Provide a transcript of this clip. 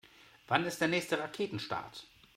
Wann ist der nächste Raketenstart?